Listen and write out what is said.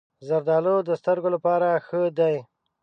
زردالو د سترګو لپاره ښه دي.